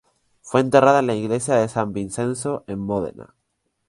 Fue enterrada en la iglesia de San Vincenzo en Módena.